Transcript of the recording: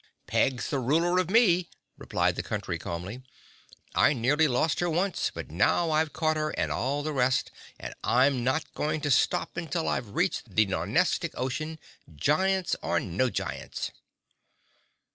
"Peg's the Ruler of me," replied the Country calmly. "I nearly lost her once, but now I've caught her and all the rest, and I am not going to stop until I've reached the Nonestic Ocean—giants or no giants."